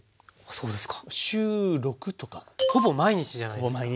そうですか。